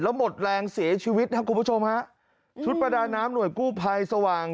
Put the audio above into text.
แล้วหมดแรงเสียชีวิตนะครับคุณผู้ชมฮะชุดประดาน้ำหน่วยกู้ภัยสว่าง